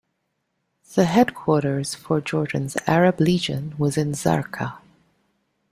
The headquarters of Jordan's Arab Legion was in Zarqa.